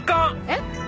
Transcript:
えっ？